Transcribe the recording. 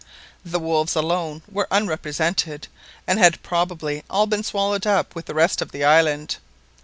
The wolves alone were unrepresented, and had probably all been swallowed up with the rest of the island.